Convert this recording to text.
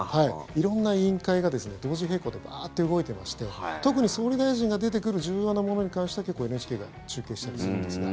色んな委員会が同時並行でバーッと動いてまして特に総理大臣が出てくる重要なものに関しては結構、ＮＨＫが中継したりするんですが。